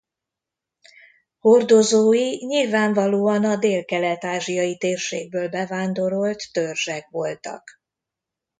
Hordozói nyilvánvalóan a délkelet-ázsiai térségből bevándorolt törzsek voltak.